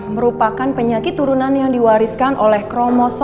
merupakan penyakit turunan yang diwariskan oleh kromosom autosom